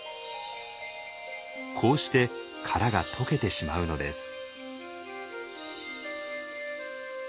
こうして殻が溶けてしまうのです。